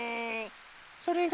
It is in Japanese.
それが？